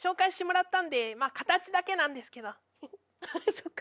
そっか。